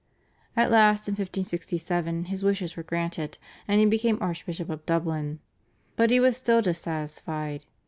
At last in 1567 his wishes were granted, and he became Archbishop of Dublin. But he was still dissatisfied.